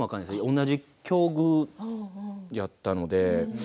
同じ境遇やったので。